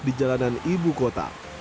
di jalanan ibu kota